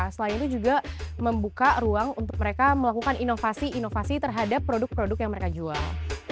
selain itu juga membuka ruang untuk mereka melakukan inovasi inovasi terhadap produk produk yang mereka jual